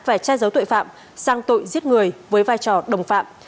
và trai giấu tội phạm sang tội giết người với vai trò đồng phạm